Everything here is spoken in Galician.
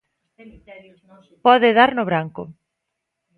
Pode dar no branco.